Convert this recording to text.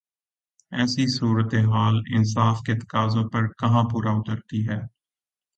ایسی صورتحال انصاف کے تقاضوں پر کہاں پورا اترتی ہے؟